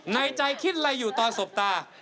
ในใจคิดอะไรอยู่ตอนสบตา